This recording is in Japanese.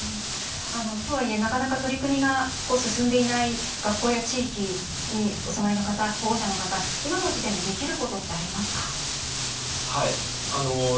とはいえなかなか取り組みが進んでいない学校や地域にお住まいの方保護者の方、今の時点でできることってありますか？